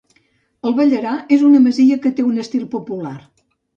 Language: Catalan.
El Ballarà és una masia que té un estil popular.